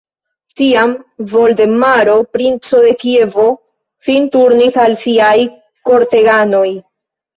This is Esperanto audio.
Tiam Voldemaro, princo de Kievo, sin turnis al siaj korteganoj.